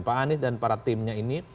pak anies dan para timnya ini